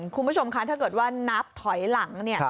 คุณผู้ชมคะถ้าเกิดว่านับถอยหลังเนี่ย